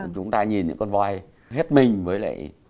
chúng ta nhìn những con voi hết mình với lại